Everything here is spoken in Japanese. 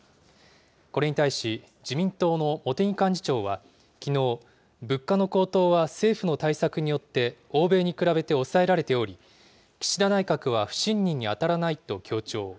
これに対し、自民党の茂木幹事長は、きのう、物価の高騰は政府の対策によって、欧米に比べて抑えられており、岸田内閣は不信任に当たらないと強調。